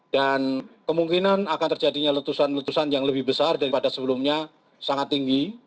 dan kemungkinan akan terjadinya letusan letusan yang lebih besar daripada sebelumnya sangat tinggi